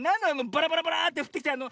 バラバラバラーッてふってきたの。